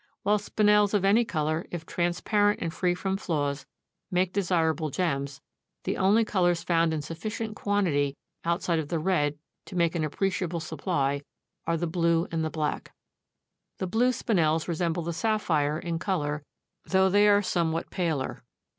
While Spinels of any color, if transparent and free from flaws, make desirable gems, the only colors found in sufficient quantity outside of the red to make an appreciable supply are the blue and the black. The blue Spinels resemble the sapphire in color, though they are somewhat paler.